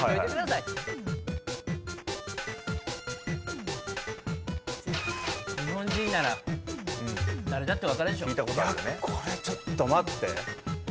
いやこれちょっと待って。